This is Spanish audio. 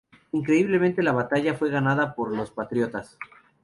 Increíblemente la batalla fue ganada por los patriotas.